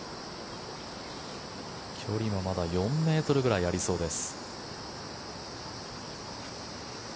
距離もまだ４ｍぐらいありそうです。